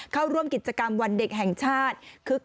พอพาไปดูก็จะพาไปดูที่เรื่องของเครื่องบินเฮลิคอปเตอร์ต่าง